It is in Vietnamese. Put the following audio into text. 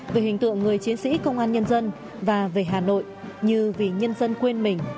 về hình tượng người chiến sĩ công an nhân dân và về hà nội như vì nhân dân quên mình